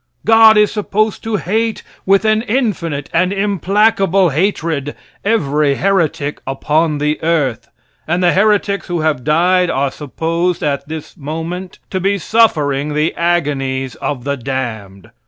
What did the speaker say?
God is supposed to hate with an infinite and implacable hatred, every heretic upon the earth, and the heretics who have died are supposed, at this moment, to be suffering the agonies of the damned.